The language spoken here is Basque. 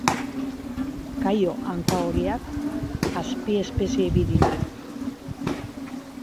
Kaio hankahoriak azpiespezie bi ditu.